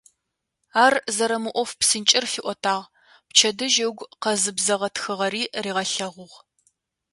Ар зэрэмыӏоф псынкӏэр фиӏотагъ, пчэдыжь ыгу къэзыбзэгъэ тхыгъэри ригъэлъэгъугъ.